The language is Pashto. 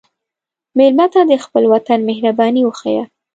مېلمه ته د خپل وطن مهرباني وښیه.